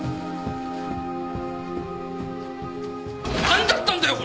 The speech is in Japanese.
何だったんだよ